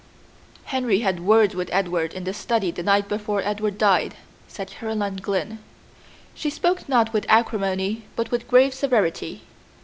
"Henry had words with Edward in the study the night before Edward died," said Caroline Glynn. She spoke not with acrimony, but with grave severity.